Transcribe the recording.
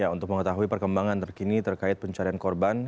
untuk mengetahui perkembangan terkini terkait pencarian korban